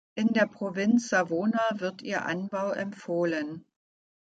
In der Provinz Savona wird ihr Anbau empfohlen.